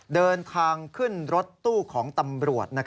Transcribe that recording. เดินทางขึ้นรถตู้ของตำรวจ